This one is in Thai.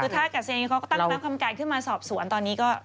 คือถ้ากระเซรงเงี้ยเขาตั้งก็ตั้งคำกล้ามกาลขึ้นมาสอบสวนตอนนี้ก็